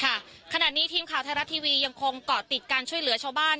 ขณะนี้ทีมข่าวไทยรัฐทีวียังคงเกาะติดการช่วยเหลือชาวบ้าน